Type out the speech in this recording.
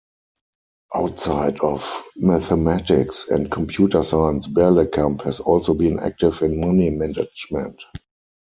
Outside of mathematics and computer science, Berlekamp has also been active in money management.